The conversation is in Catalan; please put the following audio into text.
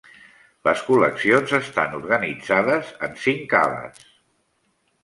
Les col·leccions estan organitzades en cinc ales.